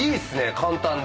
簡単で。